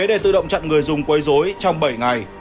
để tự động chặn người dùng quấy dối trong bảy ngày